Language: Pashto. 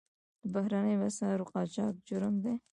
د بهرنیو اسعارو قاچاق جرم دی